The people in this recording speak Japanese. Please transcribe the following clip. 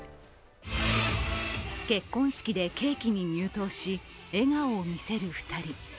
結婚式でケーキに入刀し、笑顔を見せる２人。